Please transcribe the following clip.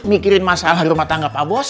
mikirin masalah hari rumah tangga pak bos